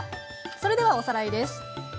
それではおさらいです。